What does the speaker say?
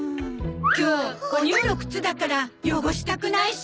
今日おニューの靴だから汚したくないし。